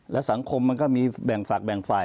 และสังคมมันก็มีแบ่งฝากแบ่งฝ่าย